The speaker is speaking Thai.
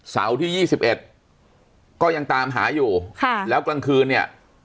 เสาร์ที่๒๑ก็ยังตามหาอยู่ค่ะแล้วกลางคืนเนี่ย